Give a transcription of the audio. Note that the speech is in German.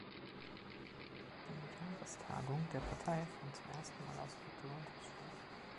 Die Jahrestagung der Partei fand zum ersten Mal außerhalb Torontos statt.